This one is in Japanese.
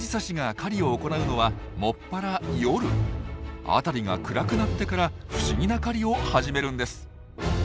辺りが暗くなってから不思議な狩りを始めるんです。